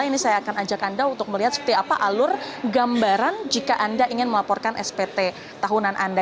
ini saya akan ajak anda untuk melihat seperti apa alur gambaran jika anda ingin melaporkan spt tahunan anda